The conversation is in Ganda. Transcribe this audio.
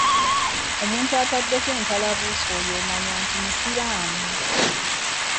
Omuntu ataddeko entalabuusi oyo omanya nti musiraamu.